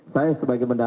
saya sebagai pemerintah